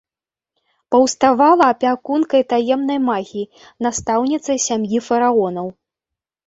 Паўставала апякункай таемнай магіі, настаўніцай сям'і фараонаў.